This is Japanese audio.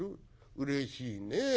うれしいね。